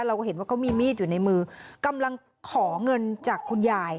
เราก็เห็นว่าเขามีมีดอยู่ในมือกำลังขอเงินจากคุณยาย